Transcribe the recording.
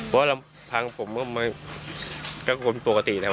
ผมก็คิดไว้แต่เพราะว่าพลังผมโดยปกติธรรมดา